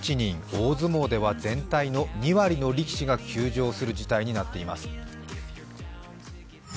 大相撲では全体の２割の力士が休場する事態となっています。